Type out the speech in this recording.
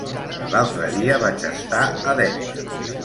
L'altre dia vaig estar a Dénia.